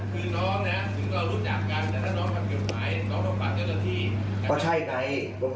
ก็ใช่ไง